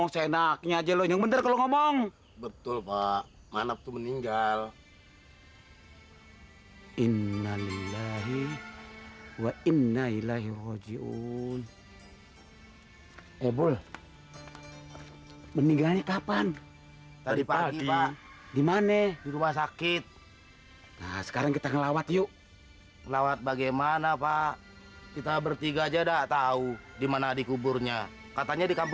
sampai jumpa di video selanjutnya